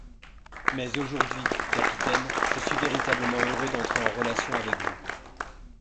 Mais aujourd’hui, capitaine, je suis véritablement heureux d’entrer en relation avec vous.